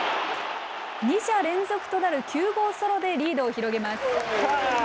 ２者連続となる９号ソロでリードを広げます。